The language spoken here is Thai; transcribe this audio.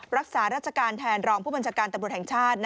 รักษาราชการแทนรองผู้บัญชาการตำรวจแห่งชาติ